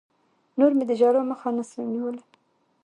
نور مې د ژړا مخه نه سوه نيولى.